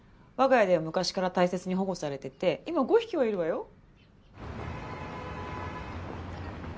わが家では昔から大切に保護されてて今５匹はいるわよ。